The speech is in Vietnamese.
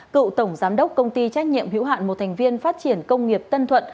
cựu tổng giám đốc công ty trách nhiệm hữu hạn một thành viên phát triển công nghiệp tân thuận